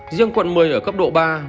riêng quận một mươi ở cấp độ ba